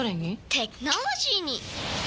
テクノロジーに！